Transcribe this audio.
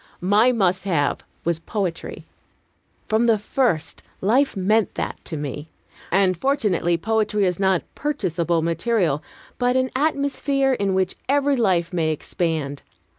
My "must have" was poetry. From the first, life meant that to me. And, fortunately, poetry is not purchasable material, but an atmosphere in which every life may expand.